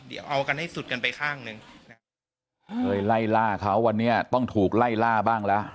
เดี๋ยวเอากันให้สุดกันไปข้างหนึ่งนะครับเคยไล่ล่าเขาวันนี้ต้องถูกไล่ล่าบ้างละ